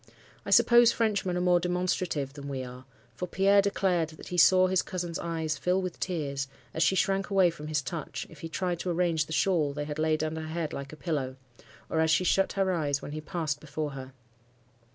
I suppose Frenchmen are more demonstrative than we are; for Pierre declared that he saw his cousin's eyes fill with tears, as she shrank away from his touch, if he tried to arrange the shawl they had laid under her head like a pillow, or as she shut her eyes when he passed before her.